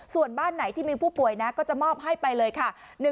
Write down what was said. ส่วนบ้านไหนที่มีผู้ป่วยนะก็จะมอบให้ไปเลยค่ะ